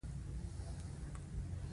باز د خوراک لپاره خپل ښکار وژني